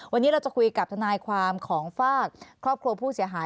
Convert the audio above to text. วันนี้เราจะคุยกับทนายความของฝากครอบครัวผู้เสียหาย